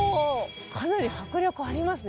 かなり迫力ありますね。